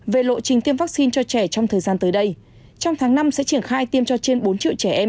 về lộ trình tiêm vaccine cho trẻ trong thời gian tới đây trong tháng năm sẽ triển khai tiêm cho trên bốn triệu trẻ em